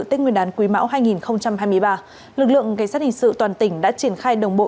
tết nguyên đán quý mão hai nghìn hai mươi ba lực lượng cảnh sát hình sự toàn tỉnh đã triển khai đồng bộ